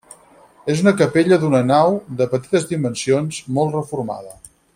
És una capella d'una nau, de petites dimensions, molt reformada.